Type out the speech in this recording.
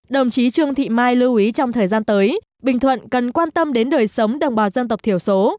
đồng chí trương thị mai lưu ý trong thời gian tới bình thuận cần quan tâm đến đời sống đồng bào dân tộc thiểu số